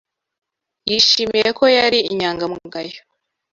Yishimiye ko yari inyangamugayo.